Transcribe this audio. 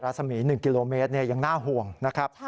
สมี๑กิโลเมตรยังน่าห่วงนะครับ